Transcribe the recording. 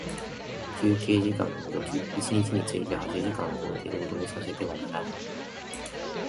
休憩時間を除き一日について八時間を超えて、労働させてはならない。